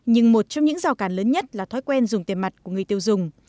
nhưng một trong những rào cản lớn nhất là thói quen dùng tiền mặt của người tiêu dùng